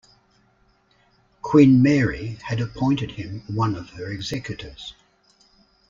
Queen Mary had appointed him one of her executors.